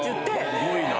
すごいなぁ。